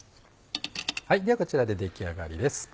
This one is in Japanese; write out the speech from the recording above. ではこちらで出来上がりです。